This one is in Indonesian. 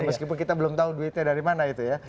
meskipun kita belum tahu duitnya dari mana itu ya